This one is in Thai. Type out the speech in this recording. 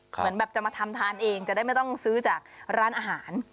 เหมือนแบบจะมาทำทานเองจะได้ไม่ต้องซื้อจากร้านอาหาร